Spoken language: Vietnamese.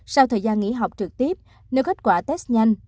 sau thời gian nghỉ học trực tiếp nếu kết quả test nhanh